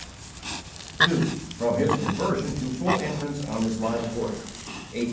From his conversion to full entrance on his life work: 1825 35.